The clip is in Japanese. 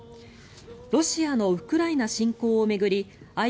ロシアのウクライナ侵攻を巡り